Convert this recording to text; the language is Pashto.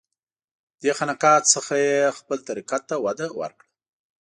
دې خانقاه څخه یې خپل طریقت ته وده ورکړه.